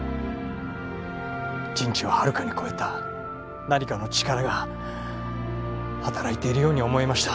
人知をはるかに超えた何かの力が働いているように思えました。